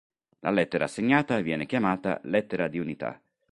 La lettera assegnata viene chiamata "lettera di unità".